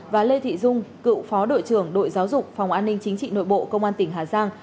và lê thị dung cựu phó đội trưởng đội giáo dục phòng an ninh chính trị nội bộ công an tỉnh hà giang